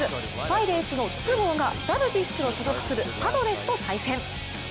パイレーツの筒香がダルビッシュの所属するパドレスと対戦。